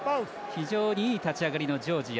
非常にいい立ち上がりのジョージア。